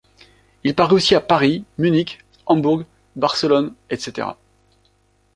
Il parait aussi à Paris, Munich, Hambourg, Barcelone, etc.